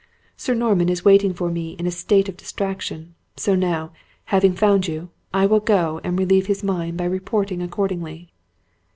Sir Norman is waiting for me in a state of distraction so now, having found you, I will go and relieve his mind by reporting accordingly."